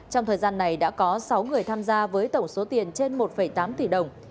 trong thời gian này đã có sáu người tham gia với tổng số tiền trên một tám tỷ đồng